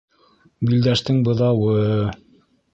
Билдәштең быҙауы-ы-ы...